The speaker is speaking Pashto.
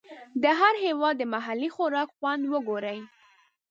د هر هېواد د محلي خوراک خوند وګورئ.